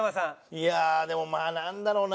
いやあでもまあなんだろうな。